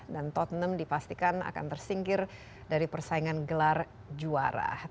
dan tottenham dipastikan akan tersingkir dari persaingan gelar juara